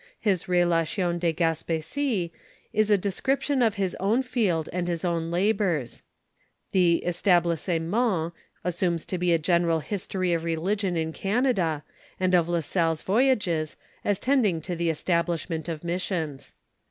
His Relation de Oa»perie is a description of his own field and his own labors; the Etabliuement assumes to be a general history of religion in Canada, and of La Salle's voyages, as tending to the establishment of missions.